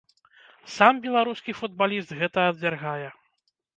Сам беларускі футбаліст гэта абвяргае.